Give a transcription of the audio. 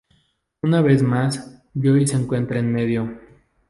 Una vez más Joey se encuentra en medio.